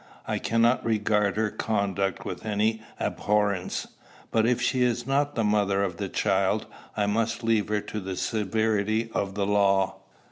"I cannot regard her conduct with any abhorrence. But, if she is not the mother of the child, I must leave her to the severity of the law."